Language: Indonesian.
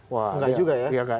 wah tidak juga ya